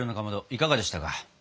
いかがでしたか？